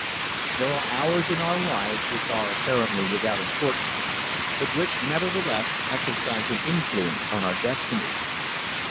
There are hours in our lives which are apparently without importance, but which, nevertheless, exercise an influence on our destiny.